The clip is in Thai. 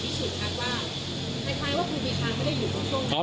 คล้ายว่าคุณพิคาร์ไม่ได้อยู่เมื่อช่วงนั้น